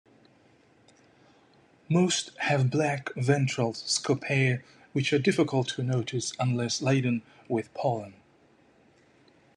Most have black ventral scopae which are difficult to notice unless laden with pollen.